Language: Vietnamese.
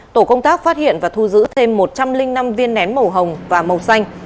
tổ công tác phát hiện và thu giữ thêm một trăm linh năm viên nén màu hồng và màu xanh